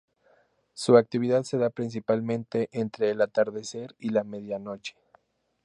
Su actividad se da principalmente entre el atardecer y la medianoche.